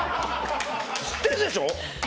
知ってるでしょ？